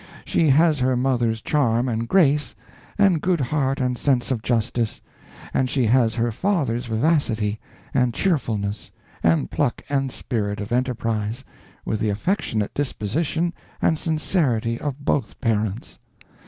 She has her mother's charm and grace and good heart and sense of justice, and she has her father's vivacity and cheerfulness and pluck and spirit of enterprise, with the affectionate disposition and sincerity of both parents.